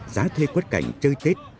giá thuê quất cành chơi tết